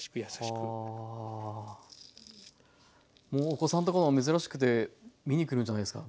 もうお子さんとかは珍しくて見に来るんじゃないですか？